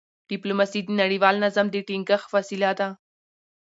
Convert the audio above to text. ډيپلوماسي د نړیوال نظم د ټینګښت وسیله ده.